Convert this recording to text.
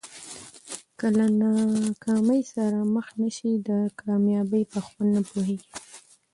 که له ناکامۍ سره مخ نه سې د کامیابۍ په خوند نه پوهېږې.